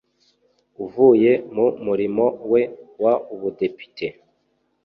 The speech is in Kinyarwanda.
avuye mu murimo we w ubudepite